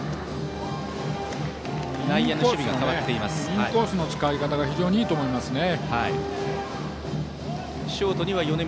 インコースの使い方が非常にいいと思いますね。